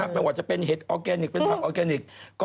ไม่ว่าจะเป็นเห็ดออร์แกนิคเป็นทำออร์แกนิค